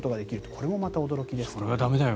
これもまた驚きですよね。